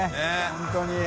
本当に。